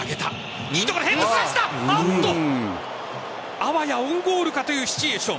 あわやオウンゴールかというシチュエーション。